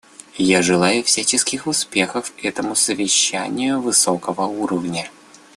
Я желаю всяческих успехов этому совещанию высокого уровня.